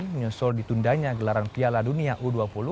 menyusul ditundanya gelaran piala dunia u dua puluh